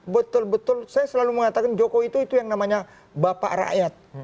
betul betul saya selalu mengatakan jokowi itu yang namanya bapak rakyat